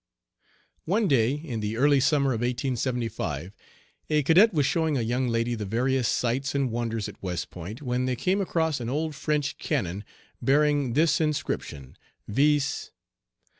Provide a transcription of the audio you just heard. One day in the early summer of 1875, a cadet was showing a young lady the various sights and wonders at West Point, when they came across an old French cannon bearing this inscription, viz.